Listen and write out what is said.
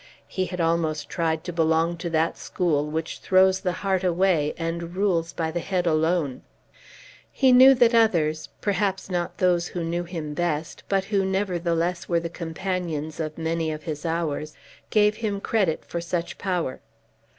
He had almost tried to belong to that school which throws the heart away and rules by the head alone. He knew that others, perhaps not those who knew him best, but who nevertheless were the companions of many of his hours, gave him the credit for such power.